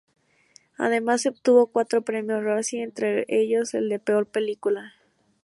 Además obtuvo cuatro Premios Razzie, entre ellos el de "peor película".